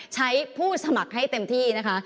ผู้สมัครให้เต็มที่นะคะ